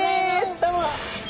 どうも。